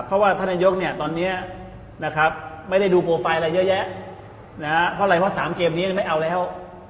เพราะว่าท่านยกตอนนี้ไม่ได้ดูโปรไฟล์อะไรเยอะแยะเพราะสามเกมนี้ไม่เอาแล้ว